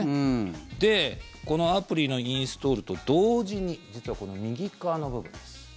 で、このアプリのインストールと同時に実は、この右側の部分です。